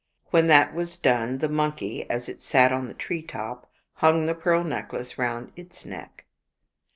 When that was done, the monkey, as it sat on the tree top, hung the pearl necklace round its neck.